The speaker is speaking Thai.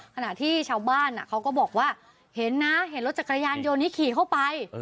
ขณะที่ชาวบ้านเขาก็บอกว่าเห็นนะเห็นรถจักรยานยนต์นี้ขี่เข้าไป